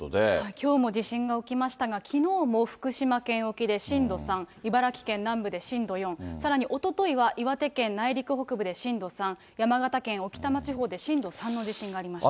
きょうも地震が起きましたが、きのうも福島県沖で震度３、茨城県南部で震度４、さらにおとといは岩手県内陸北部で震度３、山形県置賜地方で震度３の地震がありました。